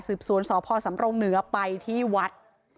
สวนสพสำรงเหนือไปที่วัด